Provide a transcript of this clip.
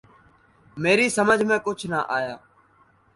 میری سمجھ میں کچھ نہ آیا